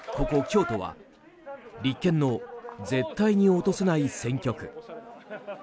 京都は立憲の絶対に落とせない選挙区。